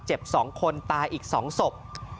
เจ็บ๒คนตายอีก๒ศพ